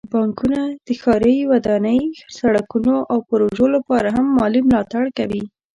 بانکونه د ښاري ودانۍ، سړکونو، او پروژو لپاره هم مالي ملاتړ کوي.